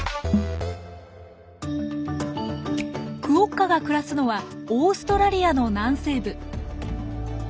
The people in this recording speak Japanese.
クオッカが暮らすのはオーストラリアの南西部。